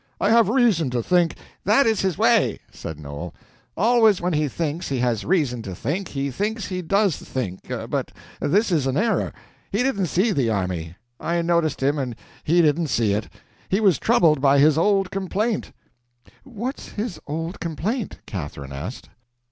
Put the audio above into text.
"I have reason to think—" "That is his way," said Noel; "always when he thinks he has reason to think, he thinks he does think, but this is an error. He didn't see the army. I noticed him, and he didn't see it. He was troubled by his old complaint." "What's his old complaint?" Catherine asked.